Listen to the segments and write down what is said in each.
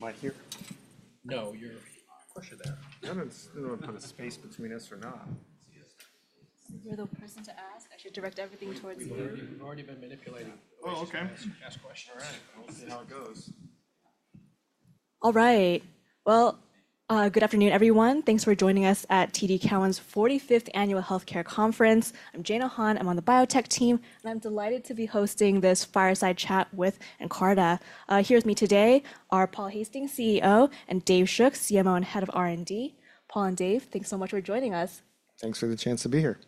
Right here. No, you're pressure there. I don't know if I'm going to put a space between us or not. You're the person to ask. I should direct everything towards you. We've already been manipulating. Oh, OK. Ask questions. All right. We'll see how it goes. All right. Good afternoon, everyone. Thanks for joining us at TD Cowen's 45th Annual Health Care Conference. I'm Jeannie Ahn. I'm on the biotech team. I'm delighted to be hosting this fireside chat with Nkarta. Here with me today are Paul Hastings, CEO, and Dave Shook, CMO and Head of R&D. Paul and Dave, thanks so much for joining us. Thanks for the chance to be here.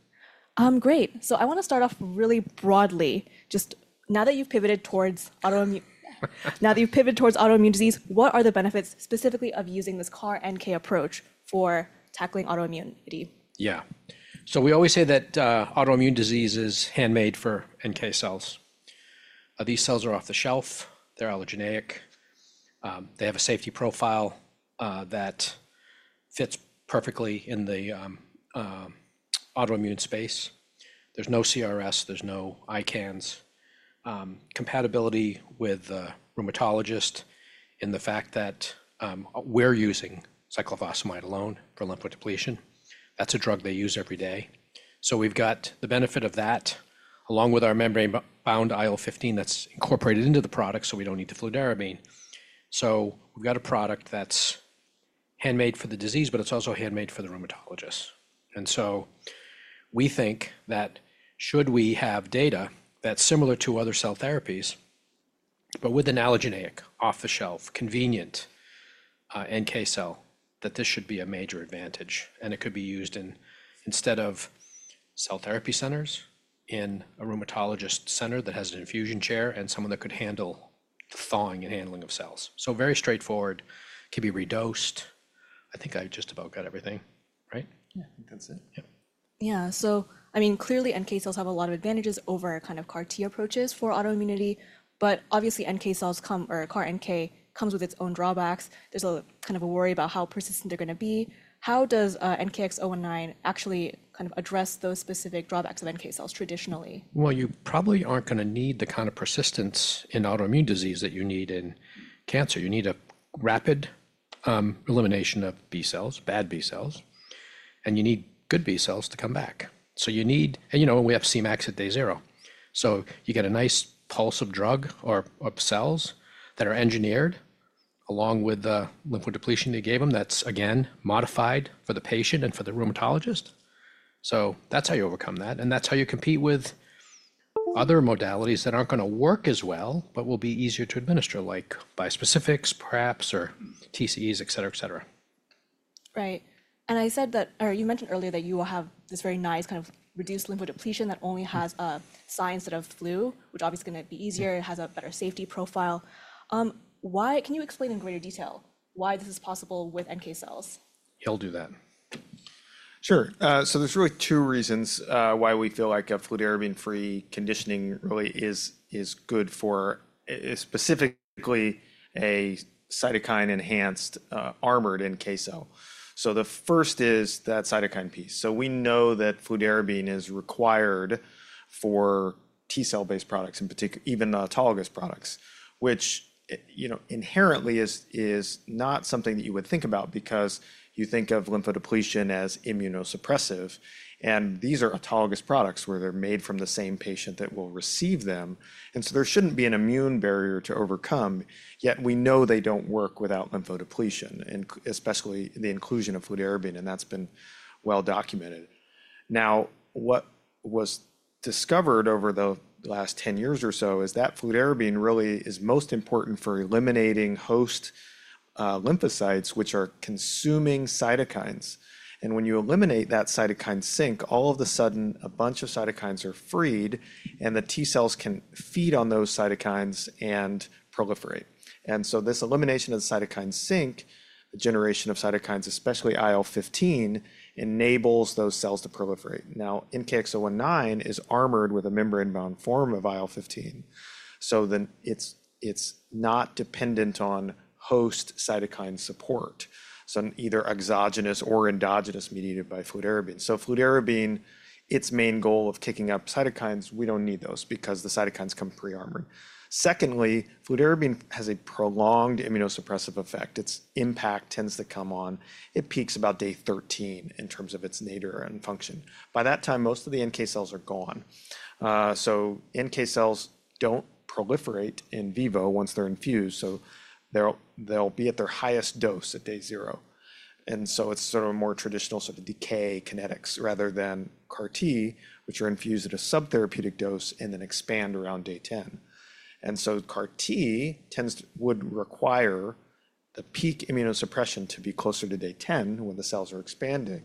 Great. I want to start off really broadly. Just now that you've pivoted towards autoimmune disease, what are the benefits specifically of using this CAR-NK approach for tackling autoimmunity? Yeah. We always say that autoimmune disease is handmade for NK-cells. These cells are off the shelf. They're allogeneic. They have a safety profile that fits perfectly in the autoimmune space. There's no CRS. There's no ICANS. Compatibility with the rheumatologist in the fact that we're using cyclophosphamide alone for lymphodepletion. That's a drug they use every day. We have the benefit of that, along with our membrane-bound IL-15 that's incorporated into the product, so we don't need the fludarabine. We have a product that's handmade for the disease, but it's also handmade for the rheumatologist. We think that should we have data that's similar to other cell therapies, but with an allogeneic, off-the-shelf, convenient NK cell, this should be a major advantage. It could be used instead of cell therapy centers in a rheumatologist center that has an infusion chair and someone that could handle the thawing and handling of cells. Very straightforward. It can be redosed. I think I just about got everything, right? Yeah, I think that's it. Yeah. Yeah. I mean, clearly, NK cells have a lot of advantages over our kind of CAR-T approaches for autoimmunity. Obviously, NK cells come or CAR-NK comes with its own drawbacks. There's a kind of a worry about how persistent they're going to be. How does NKX019 actually kind of address those specific drawbacks of NK cells traditionally? You probably aren't going to need the kind of persistence in autoimmune disease that you need in cancer. You need a rapid elimination of B cells, bad B cells. You need good B cells to come back. You need, and you know, we have Cmax at day zero. You get a nice pulse of drug or cells that are engineered along with the lymphodepletion they gave him, that's, again, modified for the patient and for the rheumatologist. That's how you overcome that. That's how you compete with other modalities that aren't going to work as well, but will be easier to administer, like bispecifics, PrEPs, or TCEs, et cetera, et cetera. Right. I said that or you mentioned earlier that you will have this very nice kind of reduced lymphodepletion that only has a cy instead of flu, which obviously is going to be easier. It has a better safety profile. Can you explain in greater detail why this is possible with NK cells? He'll do that. Sure. There are really two reasons why we feel like a fludarabine-free conditioning really is good for specifically a cytokine-enhanced, armored NK cell. The first is that cytokine piece. We know that fludarabine is required for T cell-based products, even autologous products, which inherently is not something that you would think about because you think of lymphodepletion as immunosuppressive. These are autologous products where they're made from the same patient that will receive them. There shouldn't be an immune barrier to overcome. Yet we know they don't work without lymphodepletion, and especially the inclusion of fludarabine. That's been well documented. What was discovered over the last 10 years or so is that fludarabine really is most important for eliminating host lymphocytes, which are consuming cytokines. When you eliminate that cytokine sink, all of a sudden, a bunch of cytokines are freed. The T cells can feed on those cytokines and proliferate. This elimination of the cytokine sink, the generation of cytokines, especially IL-15, enables those cells to proliferate. Now, NKX019 is armored with a membrane-bound form of IL-15. It is not dependent on host cytokine support, so either exogenous or endogenous mediated by fludarabine. Fludarabine, its main goal of kicking up cytokines, we do not need those because the cytokines come pre-armored. Secondly, fludarabine has a prolonged immunosuppressive effect. Its impact tends to come on, it peaks about day 13 in terms of its nadir and function. By that time, most of the NK cells are gone. NK cells do not proliferate in vivo once they are infused. They will be at their highest dose at day zero. It is sort of a more traditional sort of decay kinetics rather than CAR-T, which are infused at a subtherapeutic dose and then expand around day 10. CAR-T would require the peak immunosuppression to be closer to day 10 when the cells are expanding,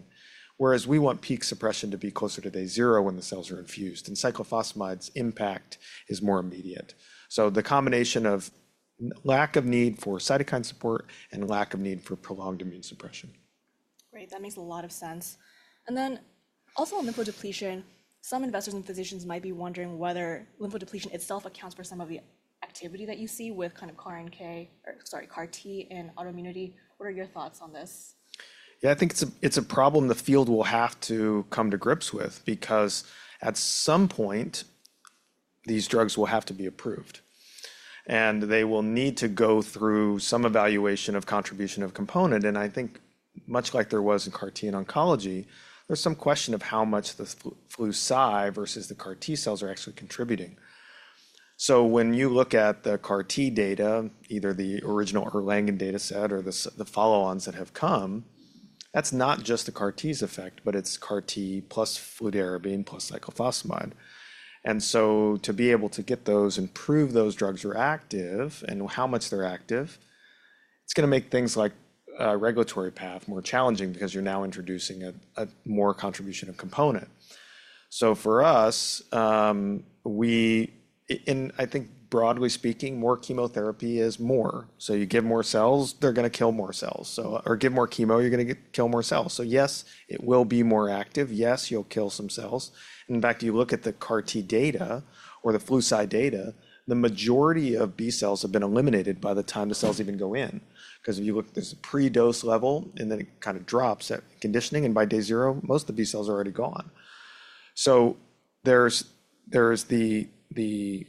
whereas we want peak suppression to be closer to day zero when the cells are infused. Cyclophosphamide's impact is more immediate. The combination of lack of need for cytokine support and lack of need for prolonged immune suppression. Great. That makes a lot of sense. Also on lymphodepletion, some investors and physicians might be wondering whether lymphodepletion itself accounts for some of the activity that you see with kind of CAR-NK or, sorry, CAR-T in autoimmunity. What are your thoughts on this? Yeah, I think it's a problem the field will have to come to grips with because at some point, these drugs will have to be approved. They will need to go through some evaluation of contribution of component. I think, much like there was in CAR-T in oncology, there's some question of how much the Flu/Cy versus the CAR-T cells are actually contributing. When you look at the CAR-T data, either the original Erlangen data set or the follow-ons that have come, that's not just the CAR-T's effect, but it's CAR-T plus fludarabine plus cyclophosphamide. To be able to get those and prove those drugs are active and how much they're active, it's going to make things like regulatory path more challenging because you're now introducing a more contribution of component. For us, we and I think, broadly speaking, more chemotherapy is more. You give more cells, they're going to kill more cells. Or give more chemo, you're going to kill more cells. Yes, it will be more active. Yes, you'll kill some cells. In fact, you look at the CAR-T data or the Flu/Cy data, the majority of B cells have been eliminated by the time the cells even go in because if you look, there's a predose level, and then it kind of drops at conditioning. By day zero, most of the B cells are already gone. There's the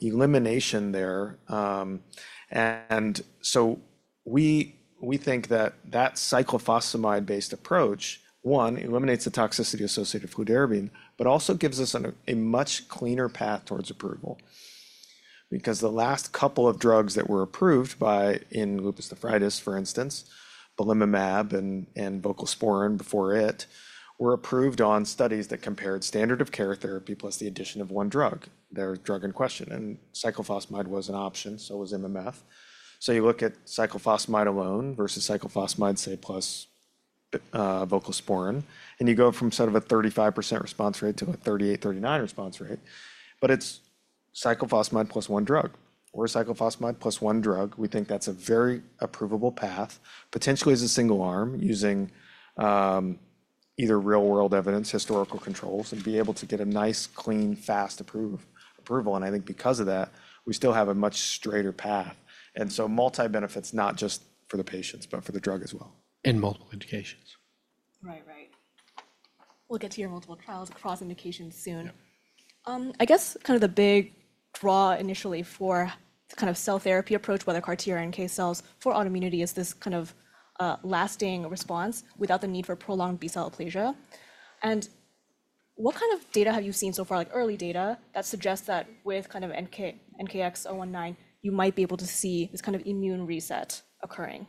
elimination there. We think that that cyclophosphamide-based approach, one, eliminates the toxicity associated with fludarabine, but also gives us a much cleaner path towards approval because the last couple of drugs that were approved by in lupus nephritis, for instance, belimumab and voclosporin before it were approved on studies that compared standard of care therapy plus the addition of one drug, their drug in question. Cyclophosphamide was an option, so was MMF. You look at cyclophosphamide alone versus cyclophosphamide, say, plus voclosporin, and you go from sort of a 35% response rate to a 38%-39% response rate. It's cyclophosphamide plus one drug or cyclophosphamide plus one drug. We think that's a very approvable path, potentially as a single arm using either real-world evidence, historical controls, and be able to get a nice, clean, fast approval. I think because of that, we still have a much straighter path. Multi-benefits, not just for the patients, but for the drug as well. In multiple indications. Right, right. We'll get to your multiple trials across indications soon. I guess kind of the big draw initially for the kind of cell therapy approach, whether CAR-T or NK cells for autoimmunity, is this kind of lasting response without the need for prolonged B cell aplasia. What kind of data have you seen so far, like early data, that suggests that with kind of NKX019, you might be able to see this kind of immune reset occurring?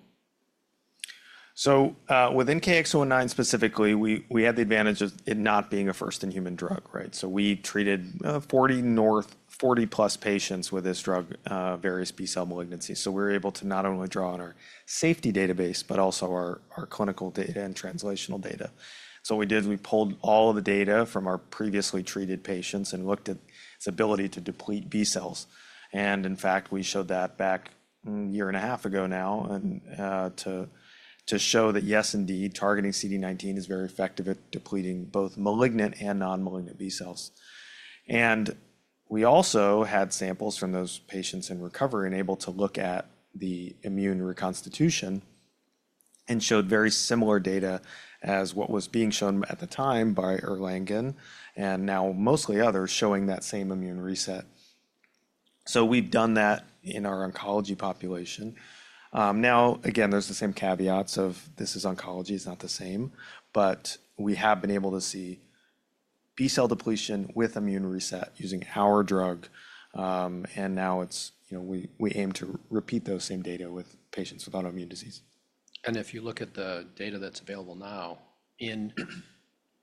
With NKX019 specifically, we had the advantage of it not being a first-in-human drug, right? We treated 40+ patients with this drug, various B cell malignancies. We were able to not only draw on our safety database, but also our clinical data and translational data. What we did, we pulled all of the data from our previously treated patients and looked at its ability to deplete B cells. In fact, we showed that back a year and a half ago now to show that, yes, indeed, targeting CD19 is very effective at depleting both malignant and non-malignant B cells. We also had samples from those patients in recovery and able to look at the immune reconstitution and showed very similar data as what was being shown at the time by Erlangen and now mostly others showing that same immune reset. We've done that in our oncology population. Now, again, there's the same caveats of this is oncology. It's not the same. We have been able to see B cell depletion with immune reset using our drug. Now we aim to repeat those same data with patients with autoimmune disease. If you look at the data that's available now in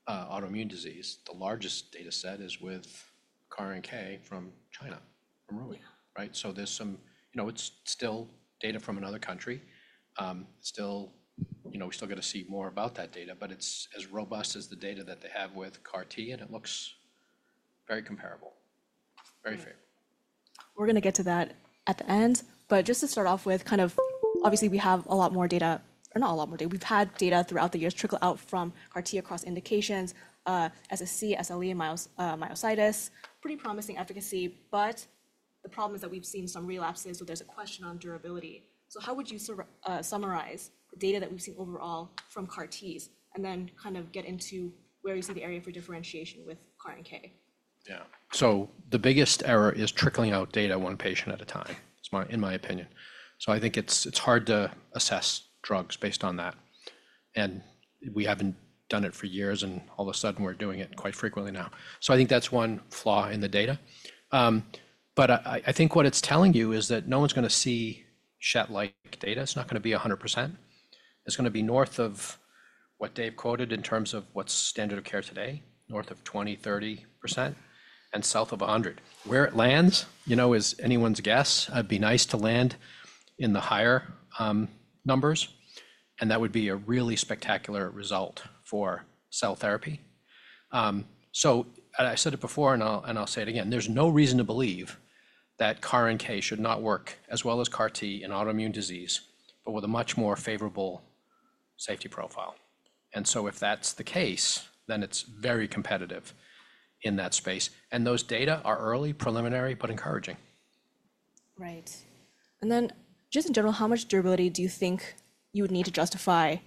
autoimmune disease, the largest data set is with CAR-NK from China, from RuiYi, right? There is some, it's still data from another country. We still got to see more about that data. It is as robust as the data that they have with CAR-T. It looks very comparable, very favorable. We're going to get to that at the end. Just to start off with, kind of obviously, we have a lot more data or not a lot more data. We've had data throughout the years trickle out from CAR-T across indications, SSc, SLE, and myositis. Pretty promising efficacy. The problem is that we've seen some relapses. There is a question on durability. How would you summarize the data that we've seen overall from CAR-Ts and then kind of get into where you see the area for differentiation with CAR-NK? Yeah. The biggest error is trickling out data one patient at a time, in my opinion. I think it's hard to assess drugs based on that. We haven't done it for years. All of a sudden, we're doing it quite frequently now. I think that's one flaw in the data. I think what it's telling you is that no one's going to see shit-like data. It's not going to be 100%. It's going to be north of what Dave quoted in terms of what's standard of care today, north of 20%, 30%, and south of 100%. Where it lands is anyone's guess. It'd be nice to land in the higher numbers. That would be a really spectacular result for cell therapy. I said it before, and I'll say it again. is no reason to believe that CAR-NK should not work as well as CAR-T in autoimmune disease, but with a much more favorable safety profile. If that is the case, then it is very competitive in that space. Those data are early, preliminary, but encouraging. Right. Just in general, how much durability do you think you would need to justify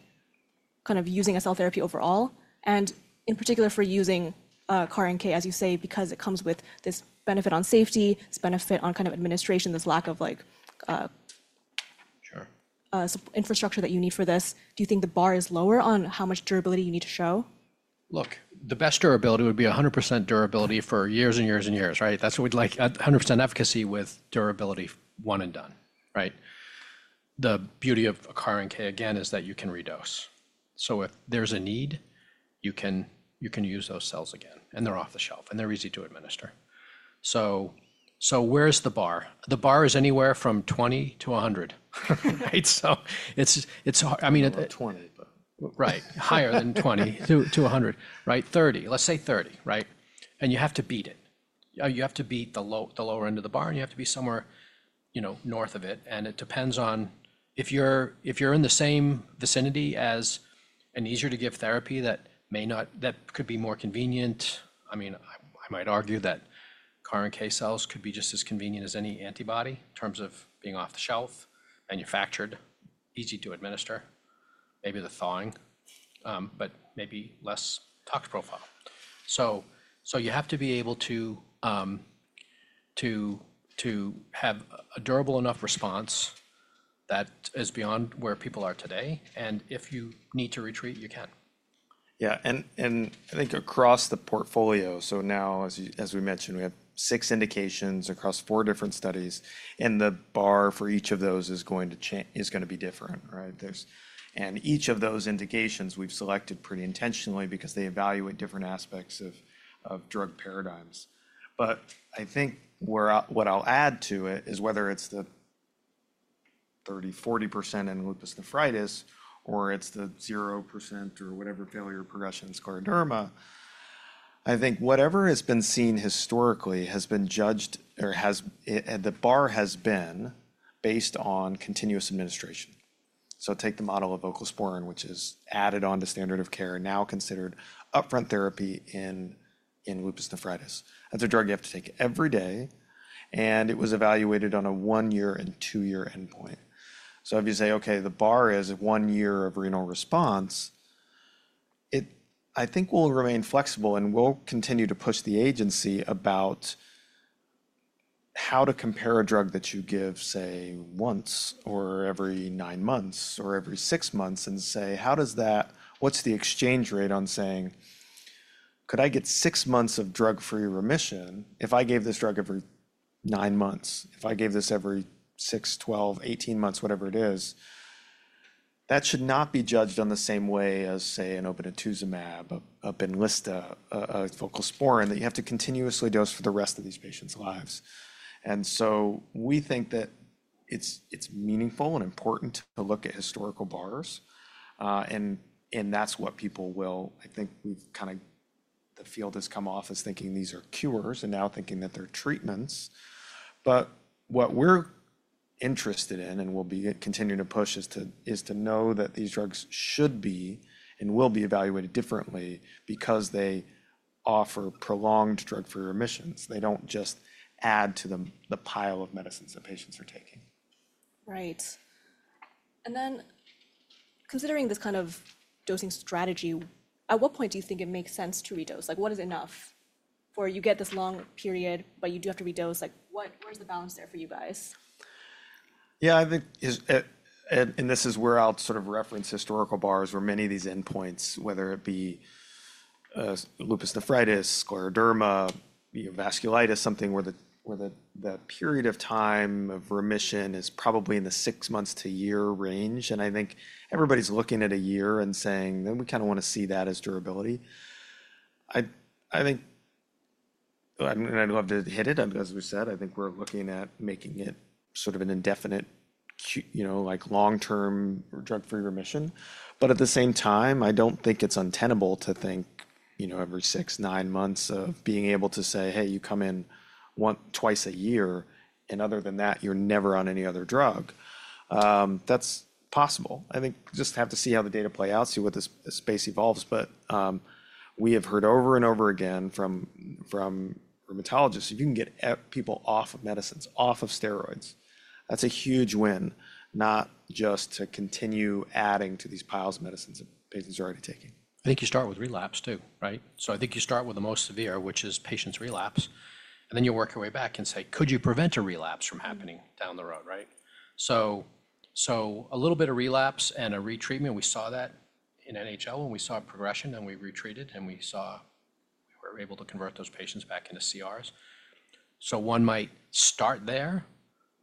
kind of using a cell therapy overall and in particular for using CAR-NK, as you say, because it comes with this benefit on safety, this benefit on kind of administration, this lack of. Sure. Infrastructure that you need for this? Do you think the bar is lower on how much durability you need to show? Look, the best durability would be 100% durability for years and years and years, right? That's what we'd like, 100% efficacy with durability one and done, right? The beauty of CAR-NK, again, is that you can redose. If there's a need, you can use those cells again. They're off the shelf. They're easy to administer. Where's the bar? The bar is anywhere from 20%-100%, right? It's hard. I mean. Not 20%, but. Right, higher than 20%-100%, right? 30%, let's say 30%, right? You have to beat it. You have to beat the lower end of the bar. You have to be somewhere north of it. It depends on if you're in the same vicinity as an easier-to-give therapy that could be more convenient. I mean, I might argue that CAR-NK cells could be just as convenient as any antibody in terms of being off the shelf, manufactured, easy to administer, maybe the thawing, but maybe less tox profile. You have to be able to have a durable enough response that is beyond where people are today. If you need to retreat, you can. Yeah. I think across the portfolio, now, as we mentioned, we have six indications across four different studies. The bar for each of those is going to be different, right? Each of those indications we've selected pretty intentionally because they evaluate different aspects of drug paradigms. I think what I'll add to it is whether it's the 30%-40% in lupus nephritis, or it's the 0% or whatever failure progression scleroderma, I think whatever has been seen historically has been judged or the bar has been based on continuous administration. Take the model of voclosporin, which is added on to standard of care and now considered upfront therapy in lupus nephritis. That's a drug you have to take every day. It was evaluated on a one-year and two-year endpoint. If you say, OK, the bar is one year of renal response, I think we'll remain flexible. We'll continue to push the agency about how to compare a drug that you give, say, once or every nine months or every six months and say, what's the exchange rate on saying, could I get six months of drug-free remission if I gave this drug every nine months, if I gave this every 6, 12, 18 months, whatever it is? That should not be judged in the same way as, say, an obinutuzumab, a Benlysta, a voclosporin that you have to continuously dose for the rest of these patients' lives. We think that it's meaningful and important to look at historical bars. That's what people will, I think we've kind of, the field has come off as thinking these are cures and now thinking that they're treatments. What we're interested in and will be continuing to push is to know that these drugs should be and will be evaluated differently because they offer prolonged drug-free remissions. They do not just add to the pile of medicines that patients are taking. Right. Considering this kind of dosing strategy, at what point do you think it makes sense to redose? What is enough? You get this long period, but you do have to redose. Where's the balance there for you guys? Yeah, I think this is where I'll sort of reference historical bars where many of these endpoints, whether it be lupus nephritis, scleroderma, vasculitis, something where the period of time of remission is probably in the six months to year range. I think everybody's looking at a year and saying, we kind of want to see that as durability. I think I'd love to hit it. As we said, I think we're looking at making it sort of an indefinite, long-term drug-free remission. At the same time, I don't think it's untenable to think every six, nine months of being able to say, hey, you come in twice a year. Other than that, you're never on any other drug. That's possible. I think just have to see how the data play out, see what this space evolves. We have heard over and over again from rheumatologists, if you can get people off of medicines, off of steroids, that's a huge win, not just to continue adding to these piles of medicines that patients are already taking. I think you start with relapse, too, right? I think you start with the most severe, which is patients' relapse. Then you work your way back and say, could you prevent a relapse from happening down the road, right? A little bit of relapse and a retreatment, we saw that in NHL when we saw progression. We retreated, and we were able to convert those patients back into CRs. One might start there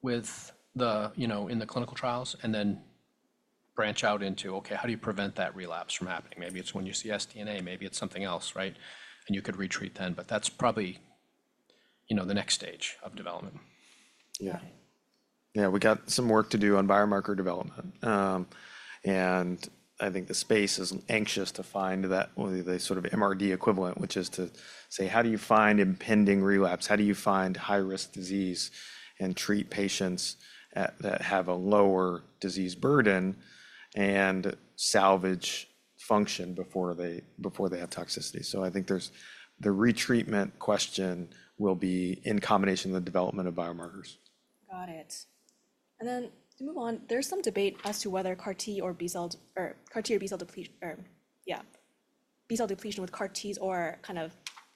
in the clinical trials and then branch out into, OK, how do you prevent that relapse from happening? Maybe it's when you see dsDNA. Maybe it's something else, right? You could retreat then. That's probably the next stage of development. Yeah. Yeah, we got some work to do on biomarker development. I think the space is anxious to find that sort of MRD equivalent, which is to say, how do you find impending relapse? How do you find high-risk disease and treat patients that have a lower disease burden and salvage function before they have toxicity? I think the retreatment question will be in combination with the development of biomarkers. Got it. To move on, there's some debate as to whether CAR-T or B cell depletion with CAR-Ts or kind of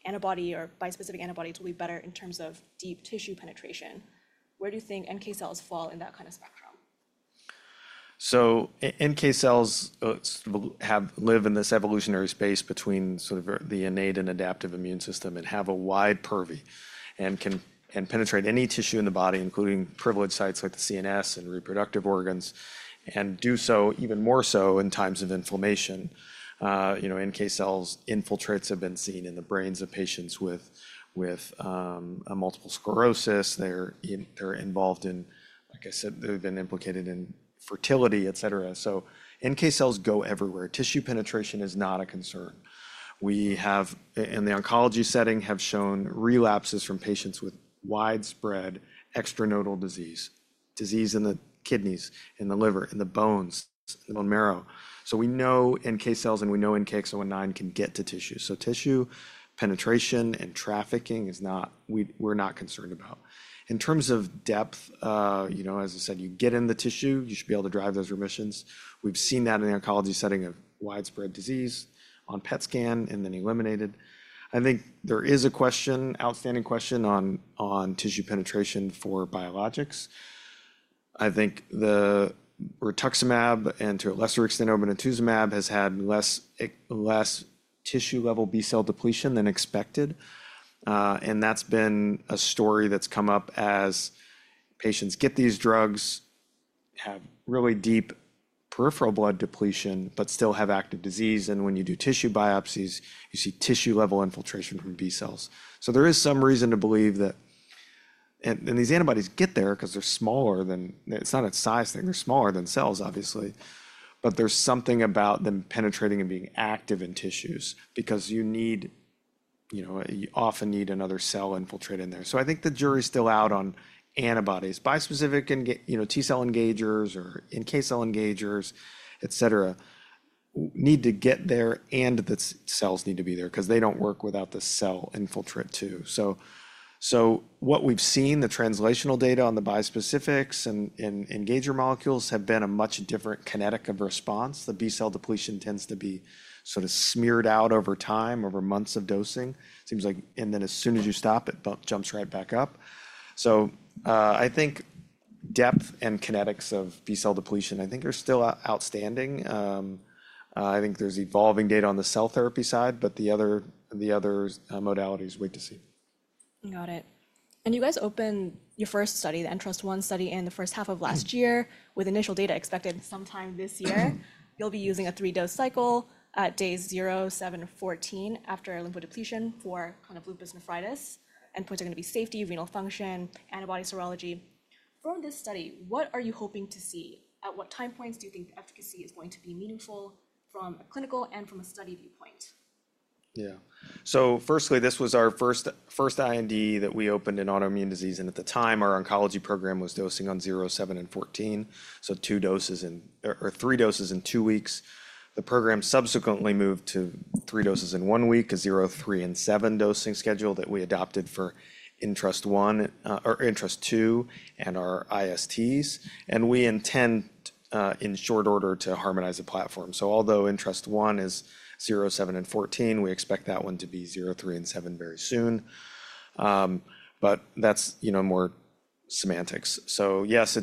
antibody or bispecific antibodies will be better in terms of deep tissue penetration. Where do you think NK cells fall in that kind of spectrum? NK cells live in this evolutionary space between sort of the innate and adaptive immune system and have a wide purview and can penetrate any tissue in the body, including privileged sites like the CNS and reproductive organs, and do so even more so in times of inflammation. NK cell infiltrates have been seen in the brains of patients with multiple sclerosis. They're involved in, like I said, they've been implicated in fertility, et cetera. NK cells go everywhere. Tissue penetration is not a concern. We have, in the oncology setting, shown relapses from patients with widespread extranodal disease, disease in the kidneys, in the liver, in the bones, bone marrow. We know NK cells and we know NKX019 can get to tissue. Tissue penetration and trafficking we're not concerned about. In terms of depth, as I said, you get in the tissue. You should be able to drive those remissions. We've seen that in the oncology setting of widespread disease on PET scan and then eliminated. I think there is a question, outstanding question on tissue penetration for biologics. I think the rituximab and, to a lesser extent, obinutuzumab has had less tissue-level B cell depletion than expected. That's been a story that's come up as patients get these drugs, have really deep peripheral blood depletion, but still have active disease. When you do tissue biopsies, you see tissue-level infiltration from B cells. There is some reason to believe that and these antibodies get there because they're smaller than, it's not a size thing. They're smaller than cells, obviously. There's something about them penetrating and being active in tissues because you often need another cell infiltrate in there. I think the jury's still out on antibodies. Bispecific T cell engagers or NK cell engagers, et cetera, need to get there. The cells need to be there because they do not work without the cell infiltrate, too. What we have seen, the translational data on the bispecifics and engager molecules have been a much different kinetic of response. The B cell depletion tends to be sort of smeared out over time, over months of dosing. It seems like as soon as you stop, it jumps right back up. I think depth and kinetics of B cell depletion, I think, are still outstanding. I think there is evolving data on the cell therapy side. The other modalities, wait to see. Got it. You guys opened your first study, the Ntrust-1 study, in the first half of last year with initial data expected sometime this year. You'll be using a three-dose cycle at days 0, 7, and 14 after lymphodepletion for kind of lupus nephritis. Endpoints are going to be safety, renal function, antibody serology. From this study, what are you hoping to see? At what time points do you think the efficacy is going to be meaningful from a clinical and from a study viewpoint? Yeah. Firstly, this was our first IND that we opened in autoimmune disease. At the time, our oncology program was dosing on 0, 7, and 14, so three doses in two weeks. The program subsequently moved to three doses in one week, a 0, 3, and 7 dosing schedule that we adopted for Ntrust-1 and our ISTs. We intend, in short order, to harmonize the platform. Although Ntrust-1 is 0, 7, and 14, we expect that one to be 0, 3, and 7 very soon. That is more semantics. Yes,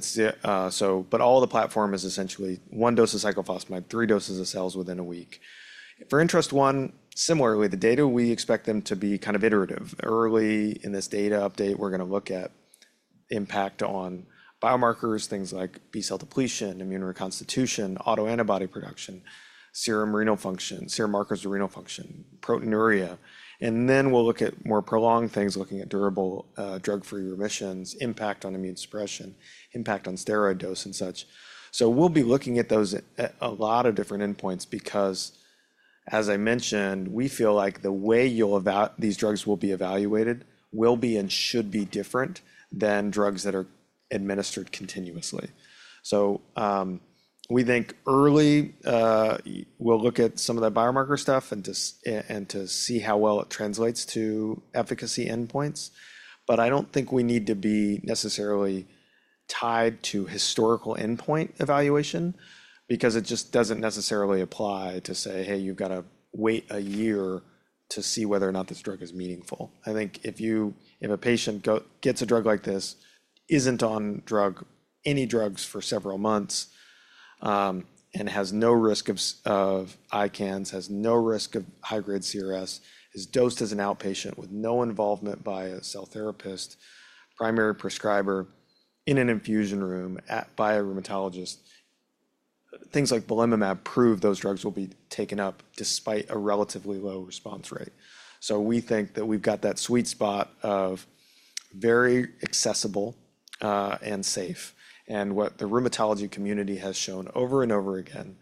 all the platform is essentially one dose of cyclophosphamide, three doses of cells within a week. For Ntrust-1, similarly, the data we expect them to be kind of iterative. Early in this data update, we're going to look at impact on biomarkers, things like B cell depletion, immune reconstitution, autoantibody production, serum renal function, serum markers of renal function, proteinuria. Then we'll look at more prolonged things, looking at durable drug-free remissions, impact on immune suppression, impact on steroid dose, and such. We'll be looking at those at a lot of different endpoints because, as I mentioned, we feel like the way these drugs will be evaluated will be and should be different than drugs that are administered continuously. We think early, we'll look at some of that biomarker stuff and to see how well it translates to efficacy endpoints. I don't think we need to be necessarily tied to historical endpoint evaluation because it just doesn't necessarily apply to say, hey, you've got to wait a year to see whether or not this drug is meaningful. I think if a patient gets a drug like this, isn't on any drugs for several months, and has no risk of ICANS, has no risk of high-grade CRS, is dosed as an outpatient with no involvement by a cell therapist, primary prescriber in an infusion room by a rheumatologist, things like belimumab prove those drugs will be taken up despite a relatively low response rate. We think that we've got that sweet spot of very accessible and safe. What the rheumatology community has shown over and over again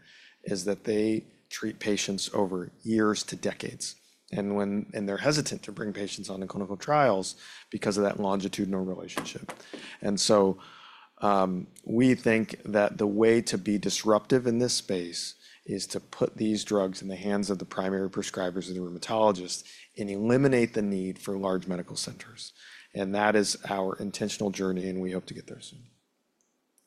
is that they treat patients over years to decades. They are hesitant to bring patients onto clinical trials because of that longitudinal relationship. We think that the way to be disruptive in this space is to put these drugs in the hands of the primary prescribers and the rheumatologists and eliminate the need for large medical centers. That is our intentional journey. We hope to get there soon.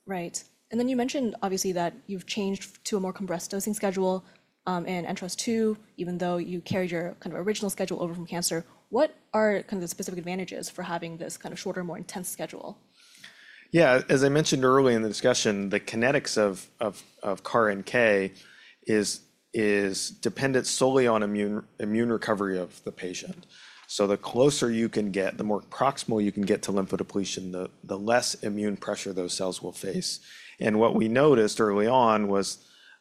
Right. You mentioned, obviously, that you've changed to a more compressed dosing schedule in Ntrust-1, even though you carried your kind of original schedule over from cancer. What are kind of the specific advantages for having this kind of shorter, more intense schedule? Yeah, as I mentioned early in the discussion, the kinetics of CAR-NK is dependent solely on immune recovery of the patient. The closer you can get, the more proximal you can get to lymphodepletion, the less immune pressure those cells will face. What we noticed early on was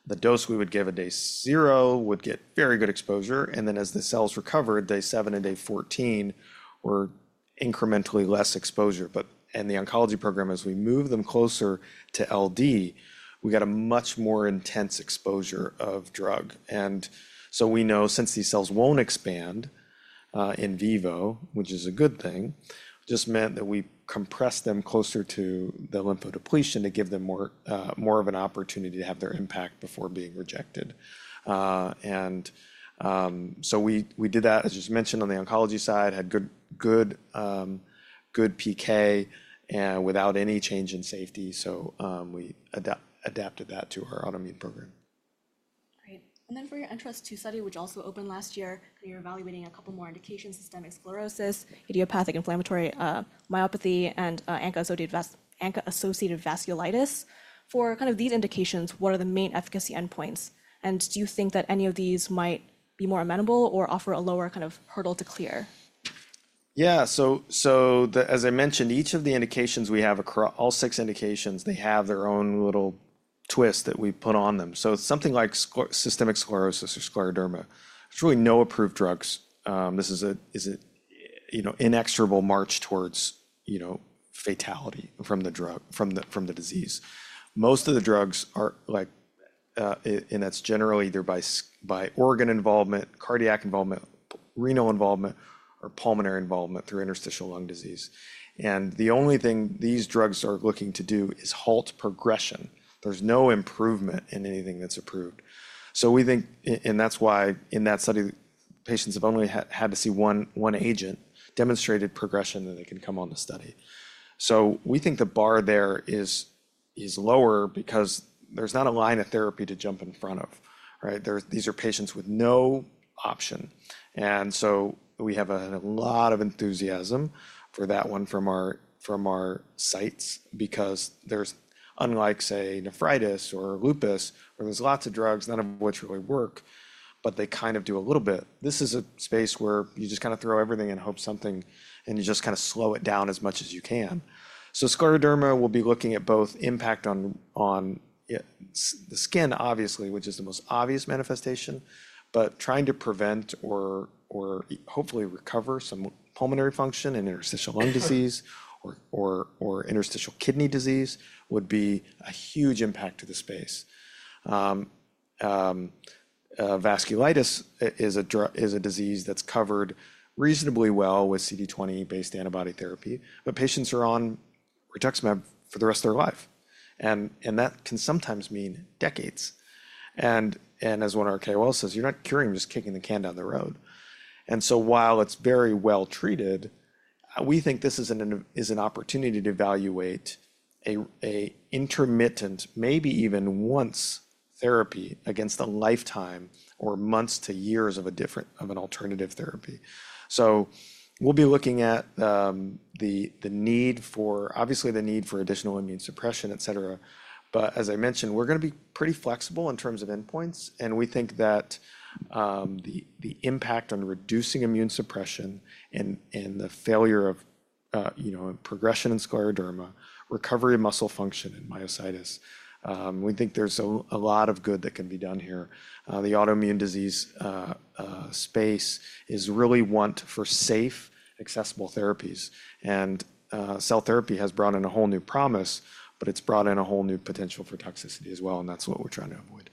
the dose we would give at day 0 would get very good exposure. As the cells recovered, day 7 and day 14 were incrementally less exposure. In the oncology program, as we move them closer to LD, we got a much more intense exposure of drug. We know since these cells won't expand in vivo, which is a good thing, it just meant that we compress them closer to the lymphodepletion to give them more of an opportunity to have their impact before being rejected. We did that, as you mentioned, on the oncology side, had good PK without any change in safety. We adapted that to our autoimmune program. Great. For your Ntrust-1 study, which also opened last year, you're evaluating a couple more indications: systemic sclerosis, idiopathic inflammatory myopathy, and ANCA-associated vasculitis. For kind of these indications, what are the main efficacy endpoints? Do you think that any of these might be more amenable or offer a lower kind of hurdle to clear? Yeah. As I mentioned, each of the indications we have, all six indications, they have their own little twist that we put on them. Something like systemic sclerosis or scleroderma, there's really no approved drugs. This is an inexorable march towards fatality from the disease. Most of the drugs are like, and that's generally either by organ involvement, cardiac involvement, renal involvement, or pulmonary involvement through interstitial lung disease. The only thing these drugs are looking to do is halt progression. There's no improvement in anything that's approved. We think, and that's why in that study, patients have only had to see one agent. Demonstrated progression that they can come on the study. We think the bar there is lower because there's not a line of therapy to jump in front of, right? These are patients with no option. We have a lot of enthusiasm for that one from our sites because there's, unlike, say, nephritis or lupus, where there's lots of drugs, none of which really work, but they kind of do a little bit. This is a space where you just kind of throw everything and hope something, and you just kind of slow it down as much as you can. Scleroderma will be looking at both impact on the skin, obviously, which is the most obvious manifestation, but trying to prevent or hopefully recover some pulmonary function and interstitial lung disease or interstitial kidney disease would be a huge impact to the space. Vasculitis is a disease that's covered reasonably well with CD20-based antibody therapy. Patients are on rituximab for the rest of their life. That can sometimes mean decades. As one of our KOLs says, you're not curing, just kicking the can down the road. While it's very well treated, we think this is an opportunity to evaluate an intermittent, maybe even once therapy against a lifetime or months to years of an alternative therapy. We'll be looking at the need for, obviously, the need for additional immune suppression, et cetera. As I mentioned, we're going to be pretty flexible in terms of endpoints. We think that the impact on reducing immune suppression and the failure of progression in scleroderma, recovery of muscle function, and myositis, we think there's a lot of good that can be done here. The autoimmune disease space is really want for safe, accessible therapies. Cell therapy has brought in a whole new promise, but it's brought in a whole new potential for toxicity as well. That is what we're trying to avoid.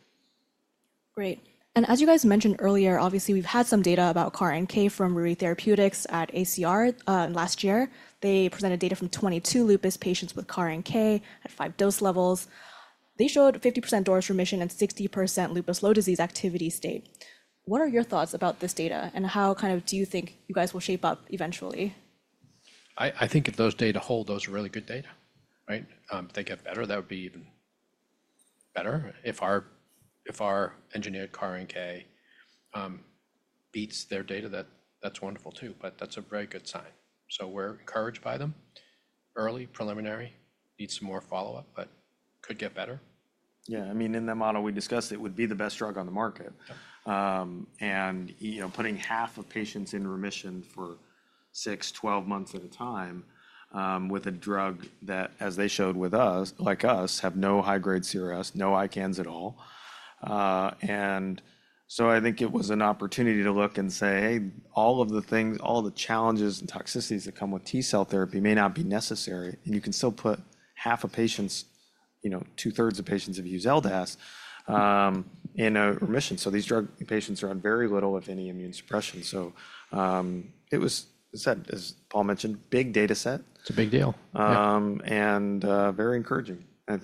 Great. As you guys mentioned earlier, obviously, we've had some data about CAR-NK from RuiYi Therapeutics at ACR last year. They presented data from 22 lupus patients with CAR-NK at five dose levels. They showed 50% DORIS remission and 60% lupus low disease activity state. What are your thoughts about this data? How kind of do you think you guys will shape up eventually? I think if those data hold, those are really good data, right? If they get better, that would be even better. If our engineered CAR-NK beats their data, that's wonderful, too. That is a very good sign. We are encouraged by them. Early, preliminary, needs some more follow-up, but could get better. Yeah. I mean, in that model we discussed, it would be the best drug on the market. Putting half of patients in remission for 6, 12 months at a time with a drug that, as they showed with us, like us, have no high-grade CRS, no ICANS at all. I think it was an opportunity to look and say, hey, all of the challenges and toxicities that come with T cell therapy may not be necessary. You can still put half of patients, two-thirds of patients have used LLDAS in remission. These drug patients are on very little, if any, immune suppression. It was, as Paul mentioned, a big data set. It's a big deal. Very encouraging. I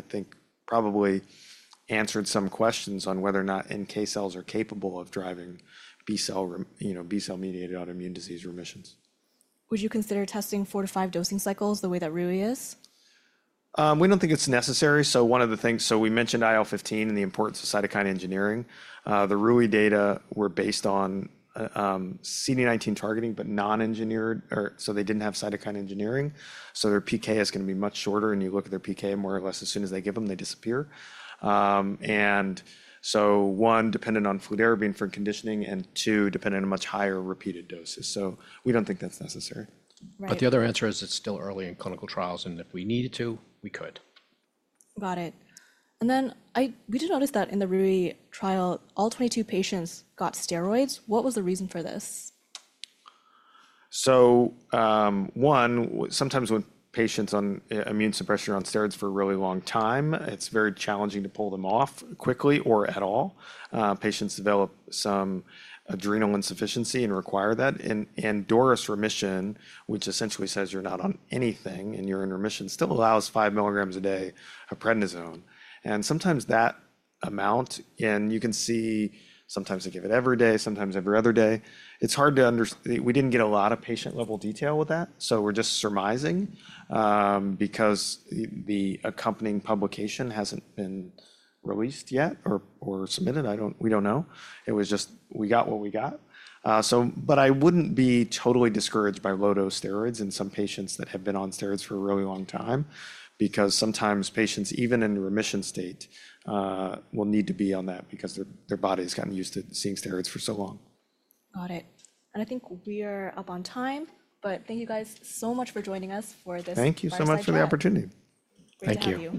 think probably answered some questions on whether or not NK cells are capable of driving B cell-mediated autoimmune disease remissions. Would you consider testing four to five dosing cycles the way that RuiYi is? We don't think it's necessary. One of the things, we mentioned IL-15 and the importance of cytokine engineering. The RuiYi data were based on CD19 targeting, but non-engineered, so they didn't have cytokine engineering. Their PK is going to be much shorter. You look at their PK, more or less, as soon as they give them, they disappear. One, dependent on fludarabine for conditioning, and two, dependent on much higher repeated doses. We don't think that's necessary. The other answer is it's still early in clinical trials. If we needed to, we could. Got it. We did notice that in the RuiYi trial, all 22 patients got steroids. What was the reason for this? Sometimes when patients on immune suppression are on steroids for a really long time, it's very challenging to pull them off quickly or at all. Patients develop some adrenal insufficiency and require that. And DORIS remission, which essentially says you're not on anything and you're in remission, still allows 5 mg a day of prednisone. Sometimes that amount, and you can see sometimes they give it every day, sometimes every other day. It's hard to understand. We didn't get a lot of patient-level detail with that. We're just surmising because the accompanying publication hasn't been released yet or submitted. We don't know. It was just we got what we got. I would not be totally discouraged by low-dose steroids in some patients that have been on steroids for a really long time because sometimes patients, even in remission state, will need to be on that because their body has gotten used to seeing steroids for so long. Got it. I think we are up on time. Thank you guys so much for joining us for this discussion. Thank you so much for the opportunity. Thank you.